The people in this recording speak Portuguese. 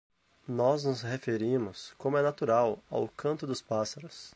Nós nos referimos, como é natural, ao canto dos pássaros.